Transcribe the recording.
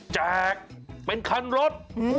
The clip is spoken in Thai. แจกเป็นคันรถ